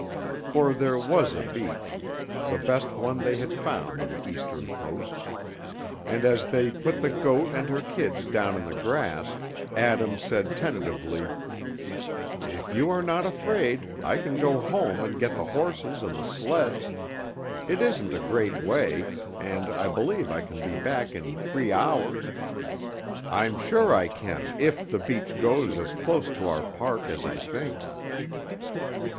For there was a beach, the best one they had found on the Eastern coast, and as they put the goat and her kids down in the grass, Adam said tentatively, "If you are not afraid, I can go home and get the horses and the sleds. It isn't a great way, and I believe I can be back in three hours, I'm sure I can if the beach goes as close to our park as I think."